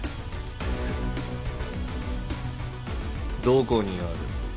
どこにある？